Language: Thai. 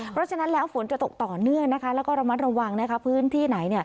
เพราะฉะนั้นแล้วฝนจะตกต่อเลื่อนก็ระมัดระวังเนี่ย